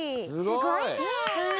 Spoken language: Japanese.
すごい！